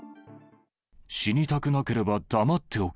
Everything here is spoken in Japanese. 死にたくなければ黙っておけ。